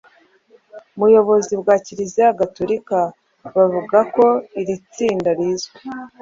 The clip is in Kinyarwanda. Mu buyobozi bwa Kiliziya Gatolika bavuga ko iri tsinda rizwi